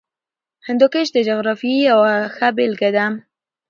هندوکش د جغرافیې یوه ښه بېلګه ده.